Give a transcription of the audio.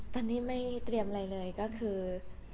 ตอนนี้ไม่เตรียมอะไรเลยก็คือ